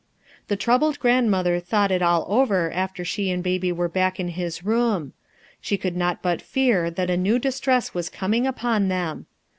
The troubled grandmother thought it all over after she and baby were back in his room. She could not but fear that a new distress was coming upon them.